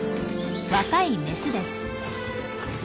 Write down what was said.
若いメスです。